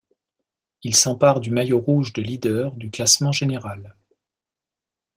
Il s'empare du maillot rouge de leader du classement général.